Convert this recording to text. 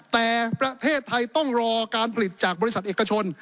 แต่ประเทศไทยต้องรอการผลิตจากบริษัทเอกชน